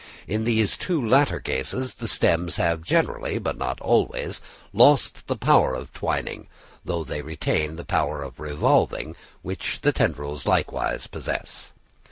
In these two latter classes the stems have generally, but not always, lost the power of twining, though they retain the power of revolving, which the tendrils likewise possess.